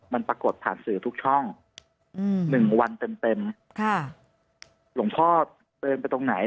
มันปรากฏผ่านสื่อทุกช่องหนึ่งวันเต็มเต็มค่ะหลวงพ่อเดินไปตรงไหน